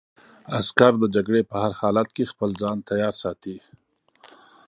عسکر د جګړې په هر حالت کې خپل ځان تیار ساتي.